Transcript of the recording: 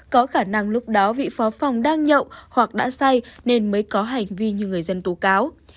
có khả năng lúc đó vị phó phòng đang nhậu hoặc đã say nên mới có hành vi như người dân tố cáo